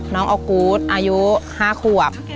น้องอกู๊ตอายุ๕ครับ